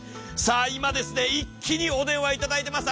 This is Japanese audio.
今、一気にお電話いただいています